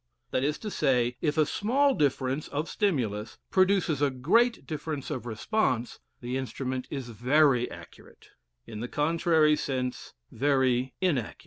* That is to say, if a small difference of stimulus produces a great difference of response, the instrument is very accurate; in the contrary case, very inaccurate.